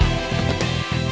saya yang menang